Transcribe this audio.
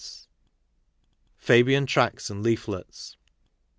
FABIAN TRACTS and LEAFLETS.